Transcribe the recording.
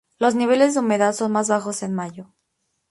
Los niveles de humedad son más bajos en mayo.